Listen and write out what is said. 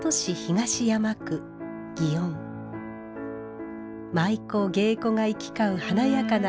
舞妓芸妓が行き交う華やかな花街。